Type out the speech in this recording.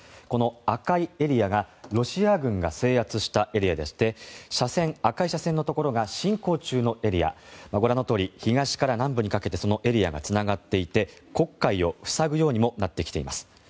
この赤いエリアがロシア軍が制圧したエリアでして赤い斜線のところが侵攻中のエリアご覧のとおり東から南部にかけてそのエリアがつながっていて黒海を塞ぐようにもなってきています。